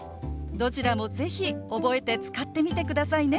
どちらも是非覚えて使ってみてくださいね。